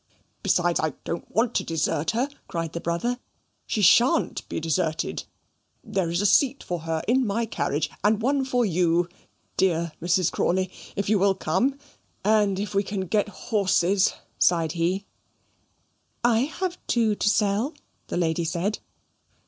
"Besides, I don't want to desert her," cried the brother. "She SHAN'T be deserted. There is a seat for her in my carriage, and one for you, dear Mrs. Crawley, if you will come; and if we can get horses " sighed he "I have two to sell," the lady said.